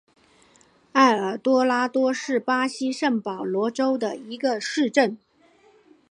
埃尔多拉多是巴西圣保罗州的一个市镇。